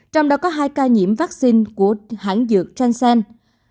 trong đó có hai ca nhiễm vắc xin của hãng dược transcend